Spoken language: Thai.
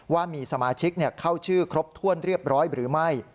ว่ามีสมาชิกเข้าชื่อครบถ้วนเรียบร้อยหรือไม่